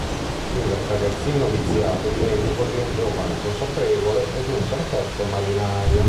Il ragazzino viziato diventa così un giovane consapevole e un perfetto marinaio.